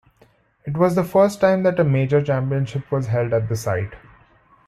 It was the first time that a major championship was held at the site.